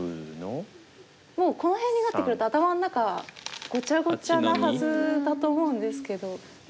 もうこの辺になってくると頭の中ごちゃごちゃなはずだと思うんですけど。